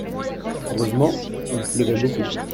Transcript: Heureusement il pleuvait beaucoup.